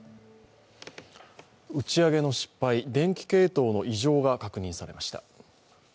打ち上げの失敗、電気系統の異常が確認されました。